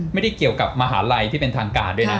ไม่ได้เกี่ยวกับมหาลัยที่เป็นทางการด้วยนะ